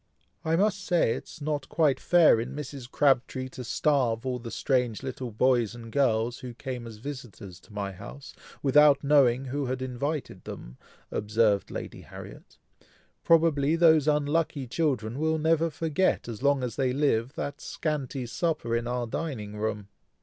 "I must say it was not quite fair in Mrs. Crabtree to starve all the strange little boys and girls, who came as visitors to my house, without knowing who had invited them," observed Lady Harriet. "Probably those unlucky children will never forget, as long as they live, that scanty supper in our dining room."